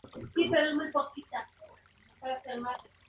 Con los años Emilio Charles, Jr.